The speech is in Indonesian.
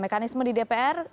mekanisme di dpr